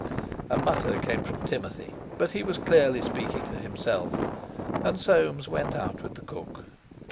A mutter came from Timothy, but he was clearly speaking to himself, and Soames went out with the cook.